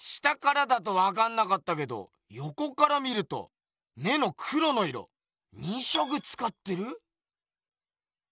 下からだとわかんなかったけどよこから見ると目の黒の色２色つかってる？